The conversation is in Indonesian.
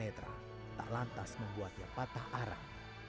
seorang tunas yang tidak lantas membuatnya patah arah